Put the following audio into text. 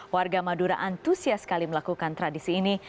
warga madura antusias sekali melakukan tradisi ini